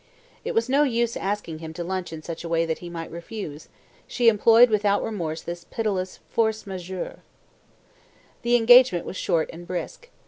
It was no use asking him to lunch in such a way that he might refuse: she employed without remorse this pitiless force majeure. The engagement was short and brisk.